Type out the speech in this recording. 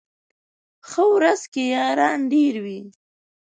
ښه ورځ کي ياران ډېر وي